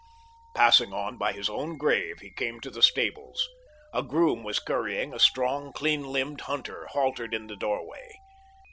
Passing on by his own grave, he came to the stables. A groom was currying a strong, clean limbed hunter haltered in the doorway.